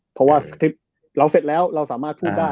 เพราะว่าสคริปต์เราเสร็จแล้วเราสามารถพูดได้